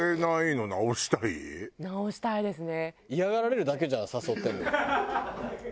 直したいですね。